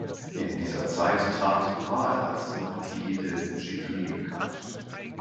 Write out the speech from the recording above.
In dieser Zeit trat war er als Marquis de Givry bekannt.